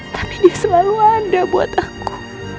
tapi dia selalu ada buat aku